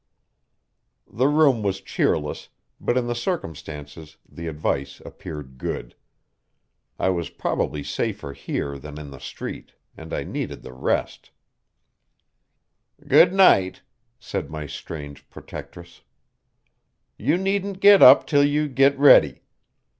The room was cheerless, but in the circumstances the advice appeared good. I was probably safer here than in the street, and I needed the rest. "Good night," said my strange protectress, "You needn't git up till you git ready.